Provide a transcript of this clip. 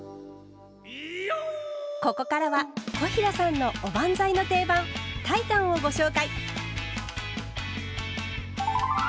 ここからは小平さんのおばんざいの定番「炊いたん」をご紹介。